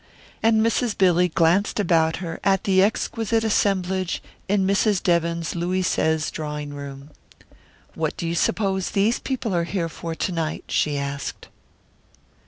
And Mrs. Billy glanced about her at the exquisite assemblage in Mrs. Devon's Louis Seize drawing room. "What do you suppose these people are here for to night?" she asked.